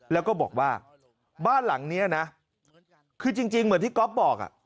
แล้วก็บอกว่าบ้านหลังนี้นะคือจริงเหมือนที่ก๊อฟบอก